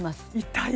痛い。